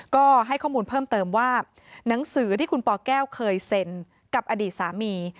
ก็ให้ข้อมูลเพิ่มเติมว่าหนังสือที่คุณปแก้วเคยเซ็นกับอดีตสามี